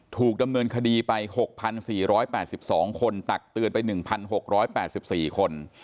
ถูกดำเนินคดีไป๖๔๘๒คนตักเตือนไป๑๖๘๔คน